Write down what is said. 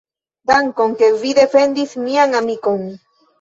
Dankon, ke vi defendis mian amikon.